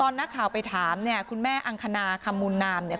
นักข่าวไปถามเนี่ยคุณแม่อังคณาคำมูลนามเนี่ย